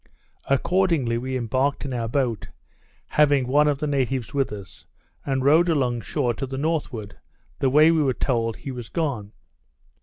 Accordingly we embarked in our boat, having one of the natives with us, and rowed along shore to the northward, the way we were told he was gone.